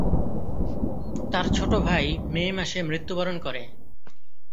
তার ছোট ভাই মে মাসে মৃত্যুবরণ করে।